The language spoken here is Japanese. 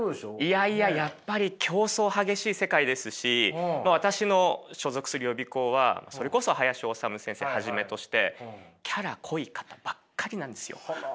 いやいややっぱり競争激しい世界ですし私の所属する予備校はそれこそ林修先生をはじめとしてキャラ濃い方ばっかりなんですよ。